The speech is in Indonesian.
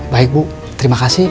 baik bu terima kasih